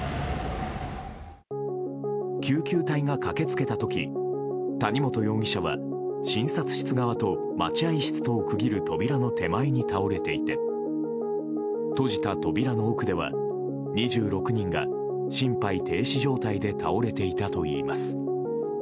救急隊が駆け付けた時谷本容疑者は診察室側と待合室とを区切る扉の前に倒れていて、閉じた扉の奥では２６人が心肺停止状態で倒れていたといいます。